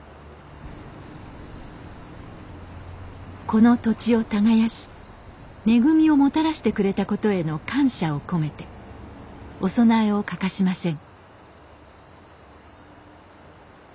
この土地を耕し恵みをもたらしてくれたことへの感謝を込めてお供えを欠かしません。